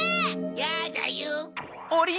やだよ！